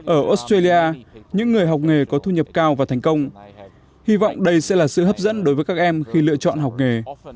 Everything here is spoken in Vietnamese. ở australia những người học nghề có thu nhập cao và thành công hy vọng đây sẽ là sự hấp dẫn đối với các em khi lựa chọn học nghề